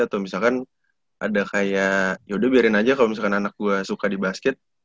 atau misalkan ada kayak yaudah biarin aja kalau misalkan anak gue suka di basket